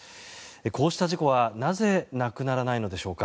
こうした事故はなぜなくならないのでしょうか。